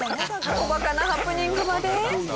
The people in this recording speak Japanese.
おバカなハプニングまで。